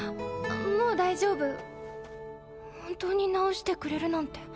もう大丈夫本当に治してくれるなんて